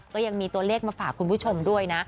ก็ยังมีตัวเลขมาฝากคุณผู้ชมด้วยนะ